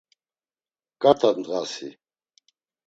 Ǩarta ndğasi?